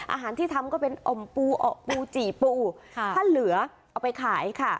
อาหารที่ทำก็เป็นอ่อมปูจี่ปูถ้าเหลือเอาไปขายค่ะ